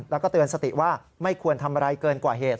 แล้วก็เตือนสติว่าไม่ควรทำอะไรเกินกว่าเหตุ